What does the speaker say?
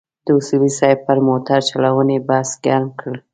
د اصولي صیب پر موټرچلونې بحث ګرم کړ.